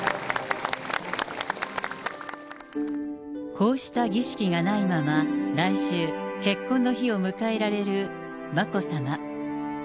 こうした儀式がないまま、来週、結婚の日を迎えられる眞子さま。